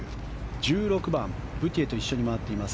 １６番、ブティエと一緒に回っています